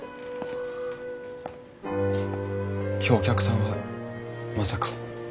今日お客さんはまさか。